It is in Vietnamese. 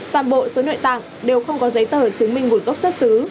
toàn bộ số nội tạng đều không có giấy tờ chứng minh nguồn gốc xuất xứ